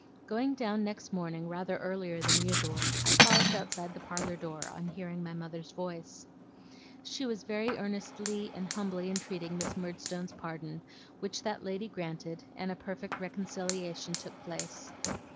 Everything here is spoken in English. Going down next morning rather earlier than usual, I paused outside the parlour door, on hearing my mother's voice. She was very earnestly and humbly entreating Miss Murdstone's pardon, which that lady granted, and a perfect reconciliation took place.